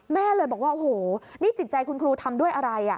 แม่เลยบอกว่าโอ้โหนี่จิตใจคุณครูทำด้วยอะไร